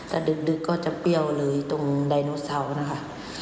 ถ้าดึกก็จะเปรี้ยวเลยตรงไดโนเซานะคะ